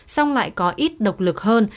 song lại có ít độc lực hơn